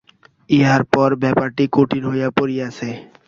ইহার পর ব্যাপারটি কঠিন হইয়া পড়িতেছে।